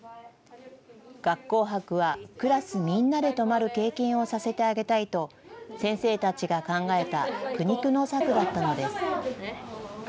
学校泊はクラスみんなで泊まる経験をさせてあげたいと、先生たちが考えた苦肉の策だったのです。